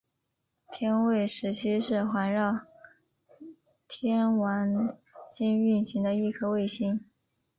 天卫十七是环绕天王星运行的一颗卫星。